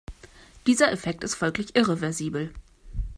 Dieser Effekt ist folglich irreversibel.